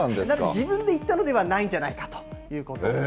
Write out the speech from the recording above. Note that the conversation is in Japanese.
自分で行ったのではないんじゃないかということなんです。